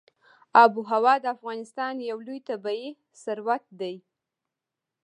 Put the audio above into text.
آب وهوا د افغانستان یو لوی طبعي ثروت دی.